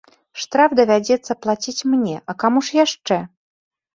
Штраф давядзецца плаціць мне, а каму ж яшчэ?